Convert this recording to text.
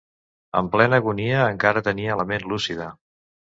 En plena agonia, encara tenia la ment lúcida.